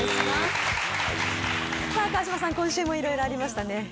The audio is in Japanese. さあ、川島さん、今週もいろいろありましたね。